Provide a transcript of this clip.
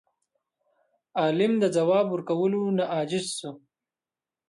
عالم د ځواب ورکولو نه عاجز شو.